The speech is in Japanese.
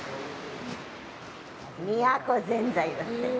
宮古ぜんざいだって。